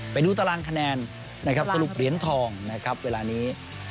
ไปดูตารางคะแนนสรุปเหรียญทองเวลานี้